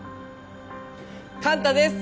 幹太です！